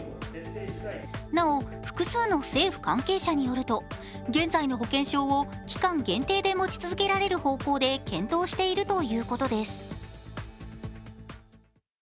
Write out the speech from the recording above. なお、複数の政府関係者によると、現在の保険証を期間限定で持ち続けられる方向で検討しているということです。